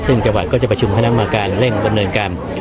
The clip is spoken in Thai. ซึ่งจังหวัดก็จะประชุมคณะกรรมการเร่งดำเนินการ